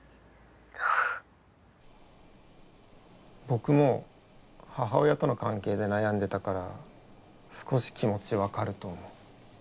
僕も母親との関係で悩んでたから少し気持ち分かると思う。